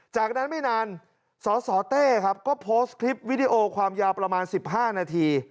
จากนั้นไม่นานสสเต้ครับก็โพสต์คลิปวิดีโอความยาวประมาณ๑๕นาที